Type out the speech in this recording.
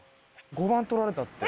５番取られたって。